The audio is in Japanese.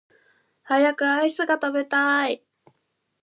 早くアイスが食べたい